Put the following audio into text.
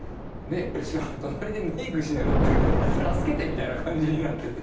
しかも隣でメイクしながら「助けて」みたいな感じになってて。